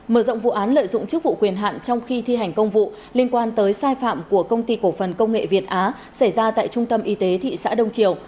mở rộng vụ án lợi dụng chức vụ quyền hạn trong khi thi hành công vụ liên quan tới sai phạm của công ty cổ phần công nghệ việt á xảy ra tại trung tâm y tế thị xã đông triều